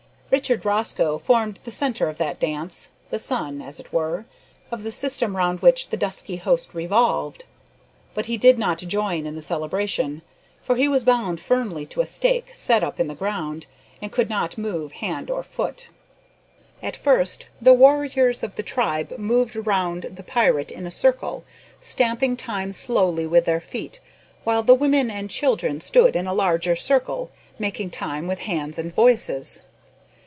Richard Rosco formed the centre of that dance the sun, as it were, of the system round which the dusky host revolved. But he did not join in the celebration, for he was bound firmly to a stake set up in the ground, and could not move hand or foot. At first the warriors of the tribe moved round the pirate in a circle, stamping time slowly with their feet while the women and children stood in a larger circle, marking time with hands and voices.